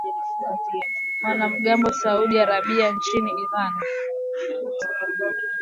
Wanamgambo waliokuwa na hasira walipinga kitendo cha kunyongwa kwake, walivamia balozi mbili za kidiplomasia za Saudi Arabia nchini Iran